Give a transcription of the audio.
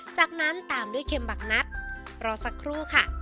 จากนั้นตามด้วยเข็มบักนัดรอสักครู่ค่ะ